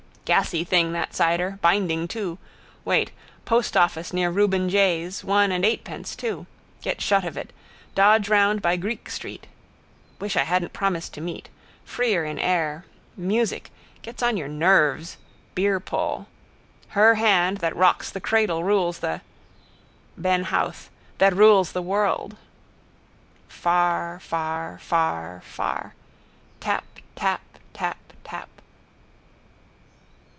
Gassy thing that cider: binding too. Wait. Postoffice near Reuben J's one and eightpence too. Get shut of it. Dodge round by Greek street. Wish I hadn't promised to meet. Freer in air. Music. Gets on your nerves. Beerpull. Her hand that rocks the cradle rules the. Ben Howth. That rules the world. Far. Far. Far. Far. Tap. Tap. Tap. Tap.